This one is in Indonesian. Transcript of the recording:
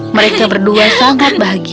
mereka berdua sangat bahagia